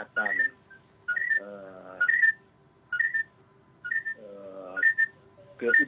lutman jendral tuduh